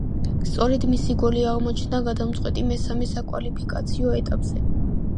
სწორედ მისი გოლი აღმოჩნდა გადამწყვეტი მესამე საკვალიფიკაციო ეტაპზე.